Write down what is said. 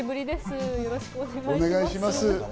よろしくお願いします。